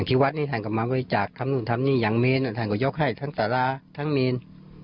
ที่วัดนี้ท่านก็มาบริจาคทำนู่นทำนี่อย่างเมนท่านก็ยกให้ทั้งสาราทั้งเมน